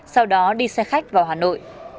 sau đó đi xe khách vào hà nội